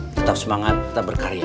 tetap semangat tetap berkarya